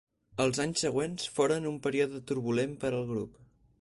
Els anys següents foren un període turbulent per al grup.